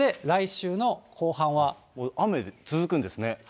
雨続くんですね。